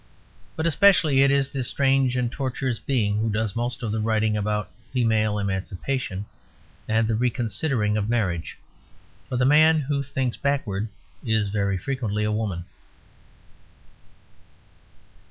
But especially it is this strange and tortuous being who does most of the writing about female emancipation and the reconsidering of marriage. For the man who thinks backwards is very frequently a woman.